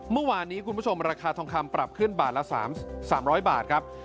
เมื่อวานนี้คุณผู้ชมราคาทองคำปรับขึ้นบาทละ๓๐๐บาทครับ